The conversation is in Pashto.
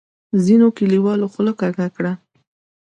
ځینو کلیوالو خوله کږه کړه.